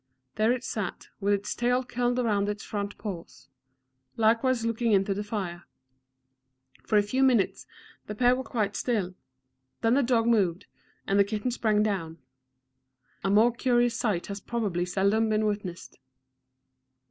There it sat, with its tail curled round its front paws, likewise looking into the fire. For a few minutes the pair were quite still; then the dog moved, and the kitten sprang down. A more curious sight has probably seldom been witnessed.